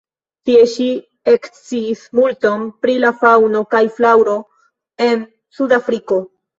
Tie ŝi eksciis multon pri la faŭno kaj flaŭro en Sudameriko.